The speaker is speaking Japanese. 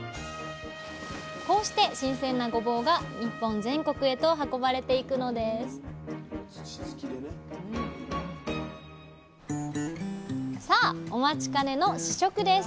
こうして新鮮なごぼうが日本全国へと運ばれていくのですさあお待ちかねの試食です！